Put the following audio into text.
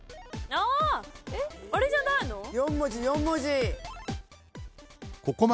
ああれじゃないの？